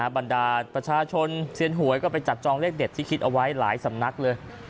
บรรดาประชาชนเซียนหวยก็ไปจับจองเลขเด็ดที่คิดเอาไว้หลายสำนักเลย